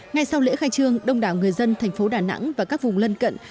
ngay sau lễ khai trương đông đảo người dân thành phố đà nẵng và các vùng lân cận